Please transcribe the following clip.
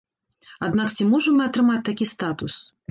Аднак ці можам мы атрымаць такі статус?